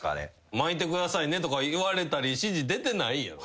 「巻いてくださいね」とか言われたり指示出てないんやろ？